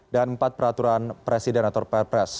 dan empat peraturan presiden atau perpres